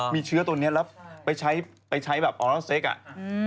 มีเชื้อตัวนี้แล้วไปใช้ออเตอร์เซ็กต์